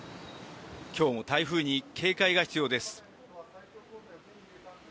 今日も台風に警戒が必要です。